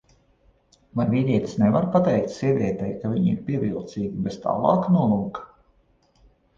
Vai vīrietis nevar pateikt sievietei, ka viņa ir pievilcīga bez tālāka nolūka?